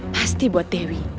pasti buat dewi